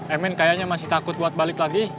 emin kayaknya masih takut buat balik lagi